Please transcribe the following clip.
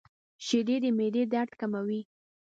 • شیدې د معدې درد کموي.